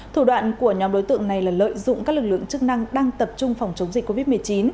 thủ đoạn của nhóm đối tượng này là lợi dụng các lực lượng chức năng đang tập trung phòng chống dịch covid một mươi chín